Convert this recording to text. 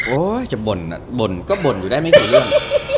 โอ้ยจะบ่นอะบ่นก็บ่นอยู่ได้ไม่เป็นเรื่อง